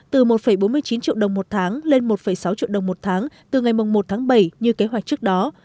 từ một bốn mươi chín triệu đồng một tháng lên một sáu triệu đồng một tháng từ ngày một tháng bảy như kế hoạch trước đó